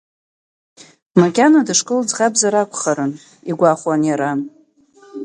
Макьана дышкол ӡӷабзар акәхарын игәахәуан иара.